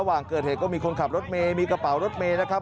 ก่อนเกิดเหตุก็มีคนขับรถเมย์มีกระเป๋ารถเมย์นะครับ